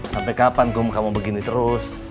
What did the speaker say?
sampai kapan kum kamu begini terus